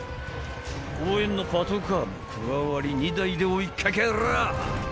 応援のパトカーも加わり２台で追いかける！